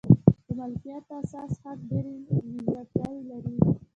د مالکیت اساسي حق ډېرې نیمګړتیاوې لري.